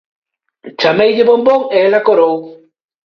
Chameille "bombón" e ela corou.